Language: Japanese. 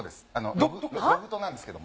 ロフトなんですけど。